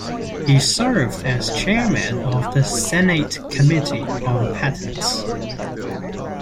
He served as chairman of the Senate Committee on Patents.